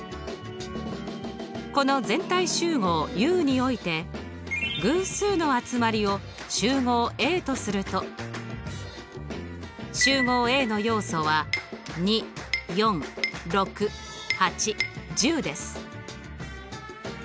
この全体集合Ｕにおいて偶数の集まりを集合Ａとすると集合Ａの要素は２４６８１０です。